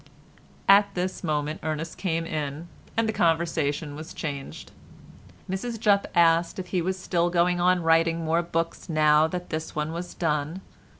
At this moment Ernest came in and the conversation was changed. Mrs Jupp asked if he was still going on writing more books now that this one was done.